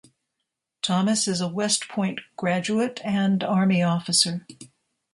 Thomas is a West Point graduate and Army officer.